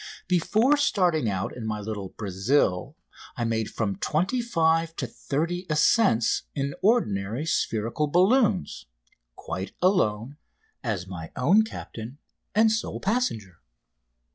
Before starting out in my little "Brazil" I made from twenty five to thirty ascents in ordinary spherical balloons, quite alone, as my own captain and sole passenger.